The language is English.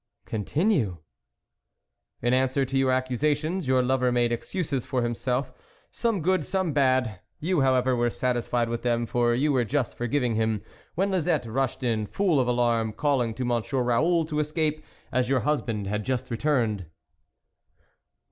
" Continue." " In answer to your accusations, your lover made excuses for himself, some good, some bad ; you, however, were satisfied with them for you were just forgiving him when Lisette rushed in full of alarm call ing to Monsieur Raoul to escape, as your husband had just returned."